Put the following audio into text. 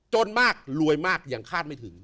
มากรวยมากยังคาดไม่ถึง